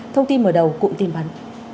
thông tin mở đầu cùng tiêm bắn